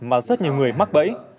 mà rất nhiều người mắc bẫy